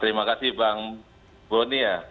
terima kasih bang boni ya